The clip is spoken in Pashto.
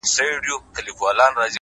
اروا مي مستانه لکه منصور دی د ژوند _